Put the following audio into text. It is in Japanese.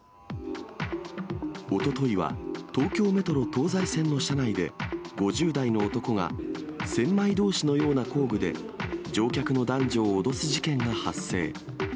おとといは、東京メトロ東西線の車内で、５０代の男が、千枚通しのような工具で、乗客の男女を脅す事件が発生。